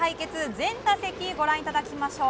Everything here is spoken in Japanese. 全打席ご覧いただきましょう！